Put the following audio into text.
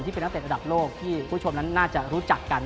เป็นนักเตะระดับโลกที่ผู้ชมนั้นน่าจะรู้จักกัน